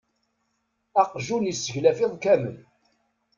Aqjun iseglef iḍ kammel.